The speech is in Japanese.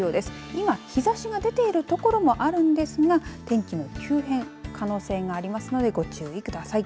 今、日ざしが出ている所もあるんですが天気の急変可能性がありますのでご注意ください。